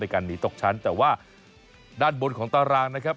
การหนีตกชั้นแต่ว่าด้านบนของตารางนะครับ